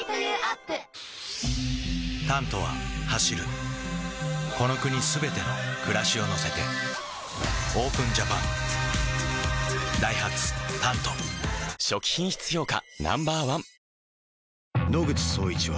「タント」は走るこの国すべての暮らしを乗せてＯＰＥＮＪＡＰＡＮダイハツ「タント」初期品質評価